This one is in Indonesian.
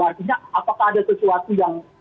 artinya apakah ada sesuatu yang